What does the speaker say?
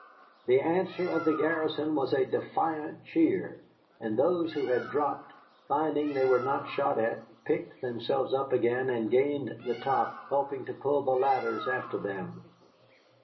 The answer of the garrison was a defiant cheer, and those who had dropped, finding they were not shot at, picked themselves up again and gained the top, helping to pull the ladders after them.